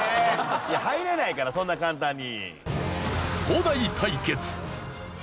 いや入れないからそんな簡単に。